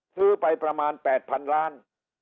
ซื้อไปประมาณ๘๐๐๐ล้าน